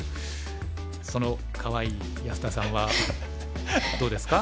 そのかわいい安田さんはどうですか？